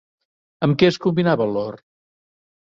Amb què es combinava l'or?